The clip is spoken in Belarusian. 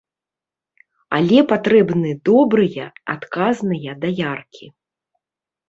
Але патрэбны добрыя адказныя даяркі.